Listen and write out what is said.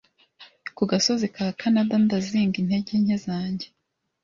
Ku gasozi ka Kanada ndazinga intege nke zanjye